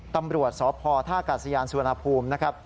ตำรวจสพท่ากาศยานสุวรรณภูมินะครับ